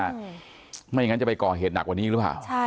ไม่อย่างนั้นจะไปก่อเหตุหนักกว่านี้หรือเปล่า